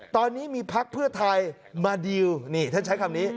ตอนนี้มีพักเพื่อไทยมาดีลนี่ท่านใช้คำนี้